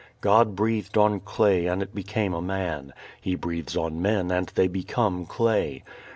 God breathed on clay and it became a man; He breathes on men and they become clay.